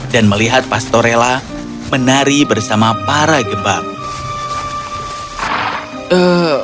dan melihat pastorella menari bersama para gembala